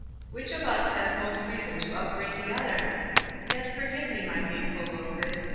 Which of us has most reason to upbraid the other?—Yet forgive me, my faithful Wilfred.